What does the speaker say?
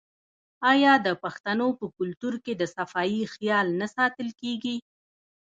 آیا د پښتنو په کلتور کې د صفايي خیال نه ساتل کیږي؟